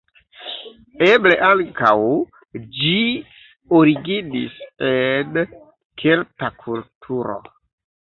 Eble ankaŭ ĝi originis en kelta kulturo.